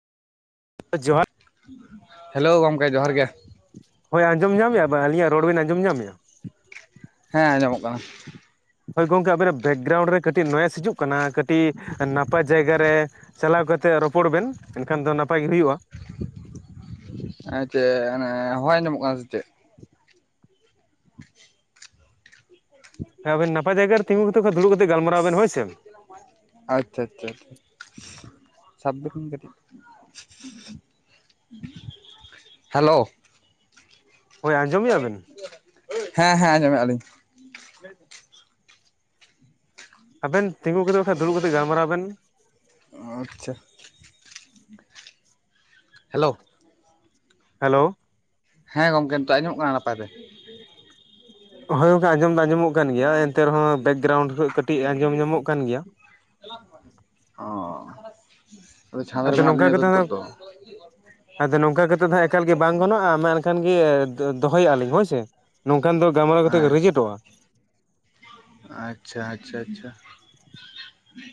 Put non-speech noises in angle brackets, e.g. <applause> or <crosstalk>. ᱡᱚᱦᱟᱨ᱾ ᱦᱮᱞᱳᱣ ᱜᱚᱢᱠᱮ ᱡᱚᱦᱟᱨ ᱜᱮ᱾ ᱦᱳᱭ ᱟᱸᱡᱚᱢ ᱧᱟᱢᱮᱫᱼᱟ ᱵᱮ ᱟᱹᱞᱤᱧᱟᱜ ᱨᱚᱲ ᱵᱮᱱ ᱟᱸᱡᱚᱢ ᱧᱟᱢᱮᱫᱼᱟ? ᱦᱮᱸ ᱟᱸᱡᱚᱢᱚᱜ ᱠᱟᱱᱟ, ᱦᱳᱭ ᱜᱚᱝᱠᱮ ᱟᱵᱮᱱᱟᱜ ᱵᱮᱠᱜᱮᱨᱟᱣᱩᱱᱰ ᱨᱮ ᱠᱟᱹᱴᱤᱡ ᱱᱚᱭᱮᱡᱽ ᱦᱤᱡᱩᱜ ᱠᱟᱱᱟ ᱠᱟᱹᱴᱤᱡ ᱱᱟᱯᱟᱭ ᱡᱟᱭᱜᱟ ᱨᱮ ᱪᱟᱞᱟᱣ ᱠᱟᱛᱮᱜ ᱨᱚᱯᱚᱲ ᱵᱮᱱ ᱮᱱᱠᱷᱟᱱ ᱫᱚ ᱱᱟᱯᱟᱭ ᱜᱮ ᱦᱩᱭᱩᱜᱼᱟ᱾ ᱟᱨ ᱪᱮᱫ ᱚᱱᱮ ᱦᱚᱭ ᱟᱡᱚᱢᱚᱜ ᱠᱟᱱᱟ ᱥᱮ ᱪᱮᱫ, <inaudible> <inaudible> ᱦᱮᱸ ᱟᱵᱮᱱ ᱱᱟᱯᱟᱭ ᱡᱟᱭᱜᱟ ᱨᱮ ᱛᱤᱸᱜᱩ ᱠᱟᱛᱮ ᱵᱟᱠᱷᱟᱡ ᱫᱩᱲᱩᱵ ᱠᱟᱛᱮᱫ ᱜᱟᱞᱢᱟᱨᱟᱣ ᱵᱮᱱ ᱦᱳᱭ ᱥᱮ, ᱟᱪᱪᱷᱟ ᱟᱪᱪᱷᱟ ᱟᱪᱪᱷᱟ, ᱥᱟᱵ ᱫᱚᱦᱚᱭ ᱠᱟᱹᱴᱤᱡ <unintelligible> <inaudible> ᱦᱮᱞᱳ ᱦᱳᱭ ᱟᱸᱡᱚᱢᱮᱫᱼᱟ ᱵᱮᱱ ᱦᱮᱸ ᱦᱮᱸ ᱟᱸᱡᱚᱢᱮᱜ-ᱟᱞᱤᱧ, ᱟᱵᱮᱱ ᱛᱤᱸᱜᱩ ᱠᱟᱛᱮᱫ ᱵᱟᱠᱷᱟᱡ ᱫᱩᱲᱩᱵ ᱠᱟᱛᱮᱫ ᱜᱟᱞᱢᱟᱨᱟᱣ ᱵᱮᱱ, ᱟᱪᱪᱷᱟ ᱦᱮᱞᱳ, ᱦᱮᱞᱳ ᱦᱮᱸ ᱜᱚᱝᱠᱮ ᱱᱤᱛᱚᱜ ᱟᱡᱚᱢᱚᱜ ᱠᱟᱱᱟ ᱱᱟᱯᱟᱭ ᱛᱮ ᱦᱳᱭ ᱜᱚᱝᱠᱮ ᱟᱸᱡᱚᱢ ᱫᱚ ᱟᱸᱡᱚᱢ ᱚᱜ ᱠᱟᱱ ᱜᱮᱭᱟ ᱮᱱᱛᱮ ᱨᱮᱦᱚᱸ ᱵᱮᱠᱜᱨᱟᱣᱩᱱᱰ ᱠᱷᱚᱡ ᱠᱟᱹᱴᱤᱡ ᱟᱸᱡᱚᱢ ᱧᱟᱢᱚᱜ ᱠᱟᱱ ᱜᱮᱭᱟ, <unintelligible> ᱚᱻ ᱟᱫᱚ ᱱᱚᱝᱠᱟ ᱠᱟᱛᱮ ᱱᱟᱜ ᱟᱫᱚ ᱱᱚᱝᱠᱟ ᱠᱟᱛᱮ ᱫᱚ ᱮᱠᱟᱞ ᱜᱮ ᱵᱟᱝ ᱜᱟᱱᱚᱜᱼᱟ ᱢᱮᱱᱠᱷᱟᱱ ᱠᱷᱟᱱ ᱜᱮ ᱫᱚᱦᱚᱭᱮᱜᱼᱟ ᱞᱤᱧ ᱦᱳᱭ ᱥᱮ ᱱᱚᱝᱠᱟᱱ ᱫᱚ ᱜᱟᱞᱢᱟᱨᱟᱣ ᱠᱟᱛᱮᱫ ᱦᱮᱸ ᱨᱤᱡᱮᱴᱚᱜᱼᱟ, ᱟᱪᱪᱷᱟ ᱟᱪᱪᱷᱟ ᱟᱪᱪᱷᱟ,